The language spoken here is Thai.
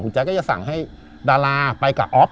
แจ๊กก็จะสั่งให้ดาราไปกับออฟ